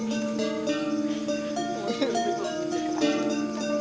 jangan lupa joko tingkir